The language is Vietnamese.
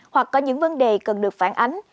hoặc có những vấn đề cần được phản ánh